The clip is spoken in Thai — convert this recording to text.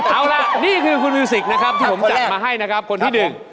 เอาล่ะนี่คือคุณมิวสิกนะครับที่ผมจัดมาให้นะครับคนที่หนึ่ง